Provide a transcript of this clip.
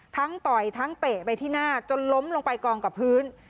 ต่อยทั้งเตะไปที่หน้าจนล้มลงไปกองกับพื้น